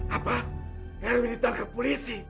apa erwin ditaruh ke polisi